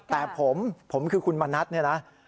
แต่ผมผมคือคุณมณัฐเนี่ยนะ